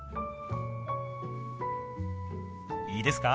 いいですか？